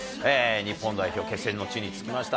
日本代表、決戦の地に着きました。